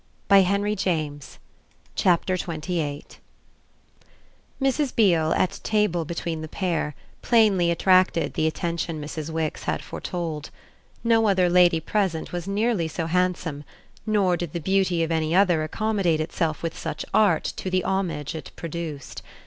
"On other men!" And she marched downstairs. XXVIII Mrs. Beale, at table between the pair, plainly attracted the attention Mrs. Wix had foretold. No other lady present was nearly so handsome, nor did the beauty of any other accommodate itself with such art to the homage it produced.